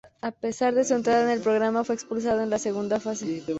A pesar de su entrada en el programa fue expulsado en la segunda fase.